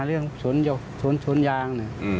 เรื่องชนยาง